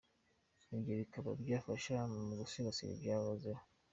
Ibyo bikaba byafasha mu gusigasira ibyahozeho.